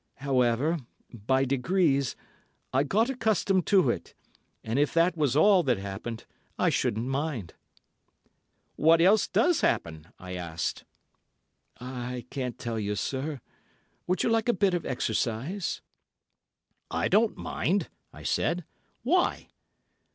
However, by degrees, I got accustomed to it, and if that was all that happened, I shouldn't mind." "What else does happen?" I asked. "I can't tell you, sir. Would you like a bit of exercise?" "I don't mind," I said. "Why?"